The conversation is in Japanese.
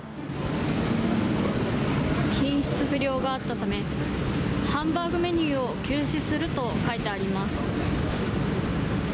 品質不良があったため、ハンバーグメニューを休止すると書いてあります。